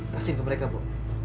kasih ke mereka bo